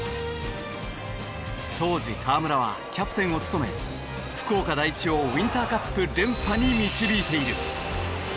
当時河村はキャプテンを務め福岡第一をウインターカップ連覇に導いている。